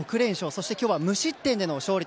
そして今日は無失点での勝利。